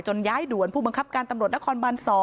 ย้ายด่วนผู้บังคับการตำรวจนครบาน๒